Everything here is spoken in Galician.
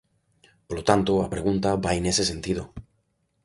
Polo tanto, a pregunta vai nese sentido.